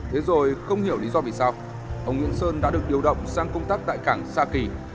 thế rồi không hiểu lý do vì sao ông nguyễn sơn đã được điều động sang công tác tại cảng sa kỳ